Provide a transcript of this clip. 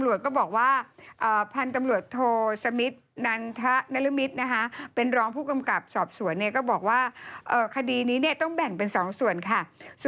แล้วนางฉันทำการแสดงได้มั้ย